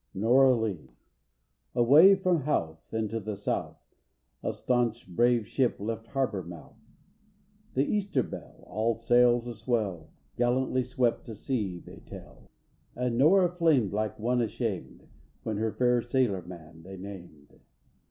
_ NORA LEE. I. Away from Howth into the south A stanch brave ship left harbor mouth. The Easter Bell, all sails a swell, Gallantly swept to sea they tell, And Nora flamed like one ashamed, When her fair sailor man they named.